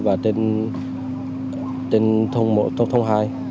và trên thông hai